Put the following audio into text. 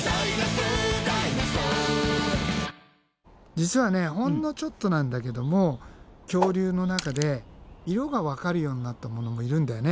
実はほんのちょっとなんだけども恐竜の中で色がわかるようになったものもいるんだよね。